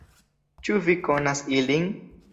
Ĉu vi konas ilin?